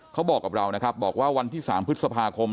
เขาบอกกับเราวันที่๓พฤษภาคม